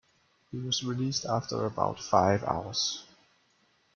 He was released after about five hours.